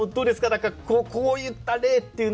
何かこういった例っていうのは。